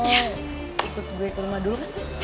oh ikut gue ke rumah dulu